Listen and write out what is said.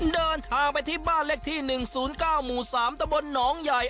เดินทางไปที่บ้านเลขที่๑๐๙หมู่๓ตะบนหนองใหญ่